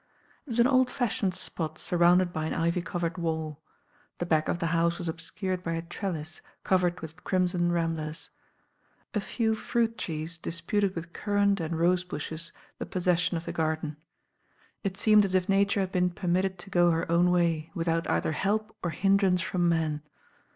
It was an old fashioned spot surrounded by an ivy covered wall. The back of the house was obscured by a trellis covered with crimson ramblers. A few fruit trees disputed with currant and rose «95 106 THE RAIN GIRL bushes the possession of the garden. It seemed at if Nature had been permitted to go her own way, without either help or hindrance from man.